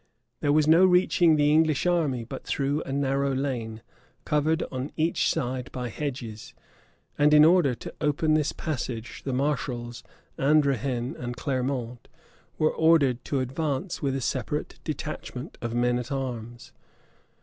There was no reaching the English army but through a narrow lane, covered on each side by hedges and in order to open this passage, the mareschals, Andrehen and Clermont, were ordered to advance with a separate detachment of men at arms.